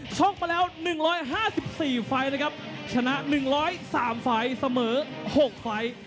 ชกมาแล้ว๑๕๔ฝ่ายนะครับชนะ๑๐๓ฝ่ายเสมอ๖ฝ่าย